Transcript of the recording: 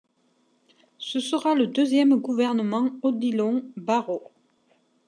Ce sera le deuxième gouvernement Odilon Barrot.